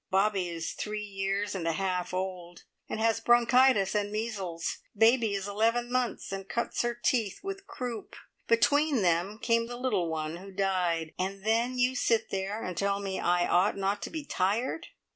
Bobby is three years and a half old, and has had bronchitis and measles. Baby is eleven months, and cuts her teeth with croup. Between them came the little one who died. And then you sit there and tell me I ought not to be tired!"